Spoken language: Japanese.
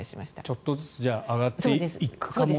ちょっとずつ上がっていくかもしれないと。